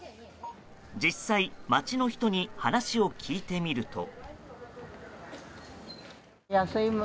実際街の人に話を聞いてみると。